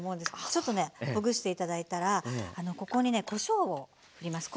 ちょっとねほぐして頂いたらここにねこしょうをふります。